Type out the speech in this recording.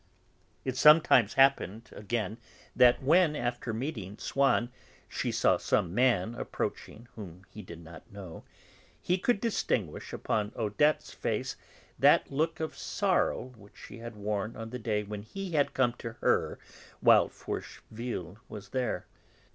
It sometimes happened, again, that, when, after meeting Swann, she saw some man approaching whom he did not know, he could distinguish upon Odette's face that look of sorrow which she had worn on the day when he had come to her while Forcheville was there.